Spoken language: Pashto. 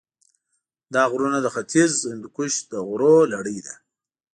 دا غرونه د ختیځ هندوکش د غرونو لړۍ ده.